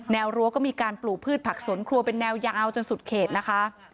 วรั้วก็มีการปลูกพืชผักสวนครัวเป็นแนวยาวจนสุดเขตนะคะ